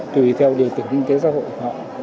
tùy theo điều tưởng kinh tế xã hội của họ